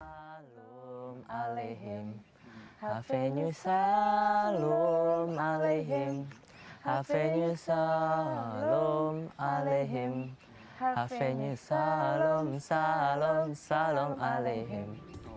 salam aleikum hafenyu salam aleikum hafenyu salam aleikum hafenyu salam salam salam aleikum